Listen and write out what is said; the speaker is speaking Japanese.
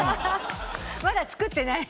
まだ作ってない。